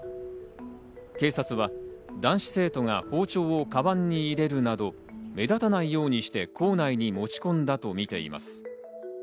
警察は男子生徒が包丁をかばんに入れるなど目立たないようにして校内に持ち込んだとみています。